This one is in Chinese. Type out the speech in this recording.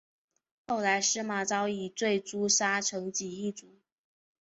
后来司马昭以罪诛杀成济一族。